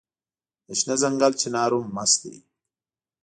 د شنه ځنګل چنار هم مست دی